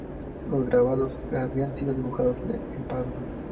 Los grabados habrían sido dibujados en Padua.